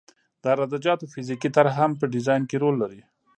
د عراده جاتو فزیکي طرح هم په ډیزاین کې رول لري